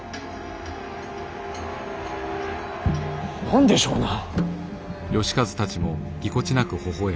何でしょうな。